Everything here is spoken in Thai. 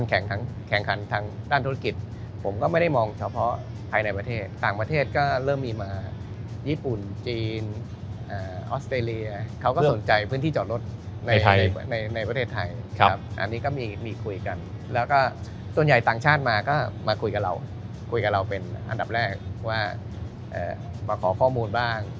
อันดับแรกว่ามาขอข้อมูลบ้าง